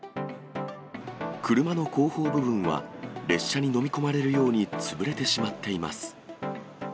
車の後方部分は列車に飲み込まれるように潰れてしまっています。